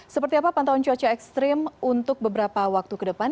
seperti apa pantauan cuaca ekstrim untuk beberapa waktu ke depan